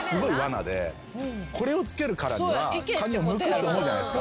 これを着けるからにはカニをむくって思うじゃないですか。